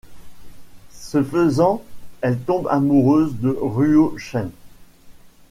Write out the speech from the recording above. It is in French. Ce faisant, elle tombe amoureuse de Ruo Chen.